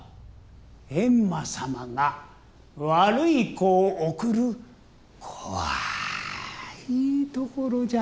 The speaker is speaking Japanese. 閻魔様が悪い子を送る怖い所じゃ。